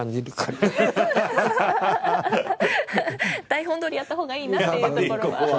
台本どおりやったほうがいいなっていうところは。